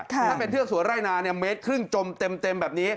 ถ้าเป็นเทือกสวนไร่นาเมตรครึ่งจมเต็มแบบนี้